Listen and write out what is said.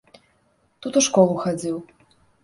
Тут у школу хадзіў.